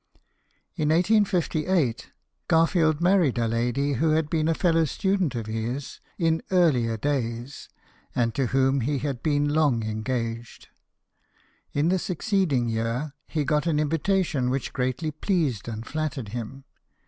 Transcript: In 1858, Garfield married a lady who had been a fellow student of his in earlier days, and to whom he had been long engaged. In the succeeding year, he got an invitation which greatly pleased and flattered him.